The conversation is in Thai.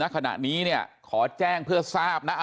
ขณะนี้เนี่ยขอแจ้งเพื่อทราบนะ